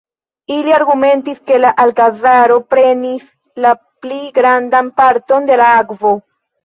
Ili argumentis, ke la Alkazaro prenis la pli grandan parton de la akvo.